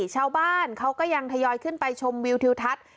ชาวบ้านเขาก็ยังทยอยขึ้นไปชมวิวทิวทัศน์